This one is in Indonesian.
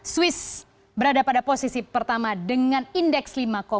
swiss berada pada posisi pertama dengan indeks